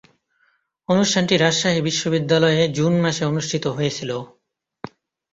অনুষ্ঠানটি রাজশাহী বিশ্বনিদ্যালয়ে জুন মাসে অনুষ্ঠিত হয়েছিলো।